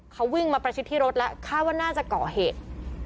เขาวิ่งมาประชิดที่รถแล้วคาดว่าน่าจะเกาะเหตุ